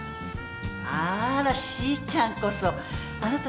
あらしーちゃんこそ。あなた